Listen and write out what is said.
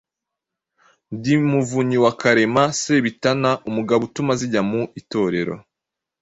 Ndi Muvunyi wa karema Sebitana umugabo utuma zijya mu itorero